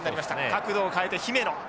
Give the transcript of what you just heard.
角度を変えて姫野。